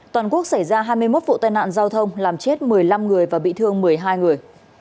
toàn quốc xảy ra hai mươi một vụ tai nạn giao thông làm chết một mươi năm người và bị thương một mươi hai người